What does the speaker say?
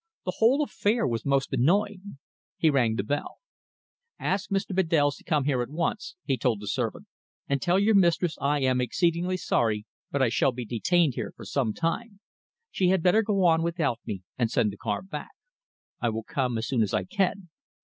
The whole affair was most annoying. He rang the bell. "Ask Mr. Bedells to come here at once," he told the servant, "and tell your mistress I am exceedingly sorry, but I shall be detained here for some time. She had better go on without me and send the car back. I will come as soon as I can.